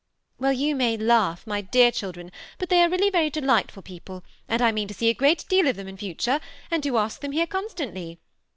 '^ Well, you may laugh, my dear children, but they are very delightful people, and I mean to see a great deal of them in future, and to ask them here constantly.